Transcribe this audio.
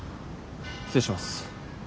失礼します。